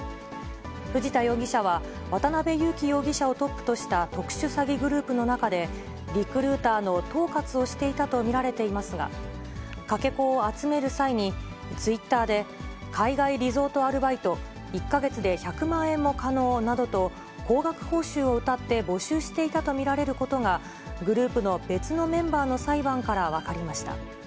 藤田容疑者は、渡辺優樹容疑者をトップとした特殊詐欺グループの中で、リクルーターの統括をしていたと見られていますが、かけ子を集める際に、ツイッターで、海外リゾートアルバイト、１か月で１００万円も可能などと、高額報酬をうたって募集していたと見られることが、グループの別のメンバーの裁判から分かりました。